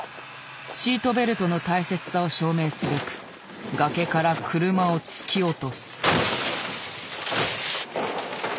シートベルトの大切さを証明すべく崖から車を突き落とす。